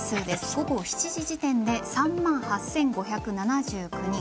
午後７時時点で３万８５７９人。